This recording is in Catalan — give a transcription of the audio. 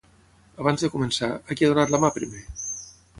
Abans de començar, a qui ha donat la mà primer?